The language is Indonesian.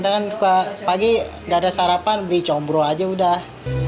jangan pagi gak ada sarapan beli combro aja udah